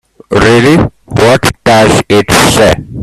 Really, what does it say?